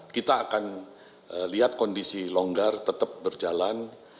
kita akan lihat kondisi longgar tetap berjalan